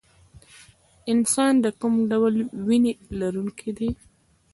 انسان د کوم ډول وینې لرونکی دی